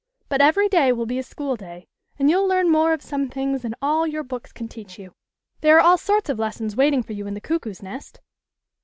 "But every day will be a school day and you'll learn more of some things than all your books can teach you. There are all sorts of lessons waiting for you in the Cuckoo's Nest."